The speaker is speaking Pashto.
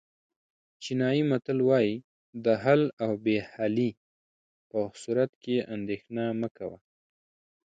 چینایي متل وایي د حل او بې حلۍ په صورت کې اندېښنه مه کوئ.